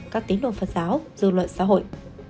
các tín đồn phật giáo dư luận xã hội